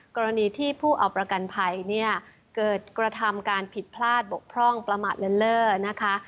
กรณีที่ผู้เอาประกันภัยเนี่ยเกิดกระทำการผิดพลาดบกพร่องประมาทเลิ่นเล่อนะคะ